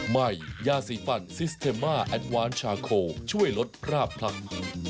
ใหม่ยาสีฝั่นซิสเทมมาแอดวานชาโคลช่วยลดพราบผลักษณ์